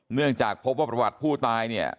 เนื่องจากพบว่าประวัติผู้ตายเนี่ย